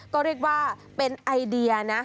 ก็เรียกว่าเป็นไอเดียนะ